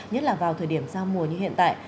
nhất là vào thời điểm giao mùa như hiện tại